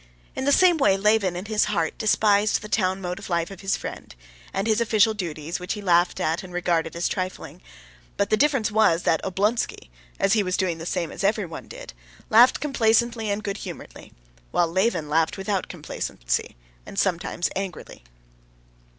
In the same way Levin in his heart despised the town mode of life of his friend, and his official duties, which he laughed at, and regarded as trifling. But the difference was that Oblonsky, as he was doing the same as everyone did, laughed complacently and good humoredly, while Levin laughed without complacency and sometimes angrily.